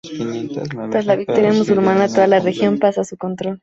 Tras la victoria musulmana, toda la región pasa a su control.